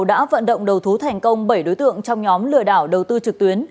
đã vận động đầu thú thành công bảy đối tượng trong nhóm lừa đảo đầu tư trực tuyến